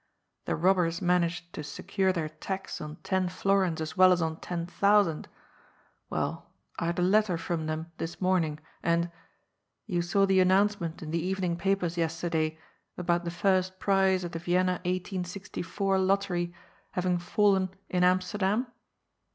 The robbers manage to secure their tax on ten florins as well as on ten thousand. — ^Well, I had a letter from them this morning and — ^you saw the announcement in the even ing papers yesterday about the first prize of the Vienna 1864 Lottery having * fallen * in Amsterdam